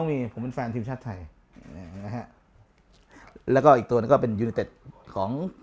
มีผมเป็นแฟนทีมชาติไทยนะฮะแล้วก็อีกตัวหนึ่งก็เป็นยูนิเต็ดของ